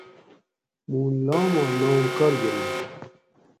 موں لاماں نام کارگلو